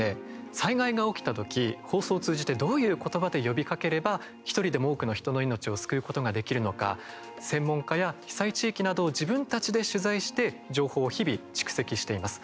災害が起きた時、放送を通じてどういう言葉で呼びかければ１人でも多くの人の命を救うことができるのか専門家や被災地域などを自分たちで取材して情報を日々、蓄積しています。